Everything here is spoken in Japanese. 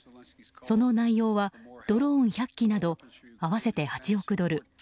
その内容はドローン１００機など合わせて１００億ドル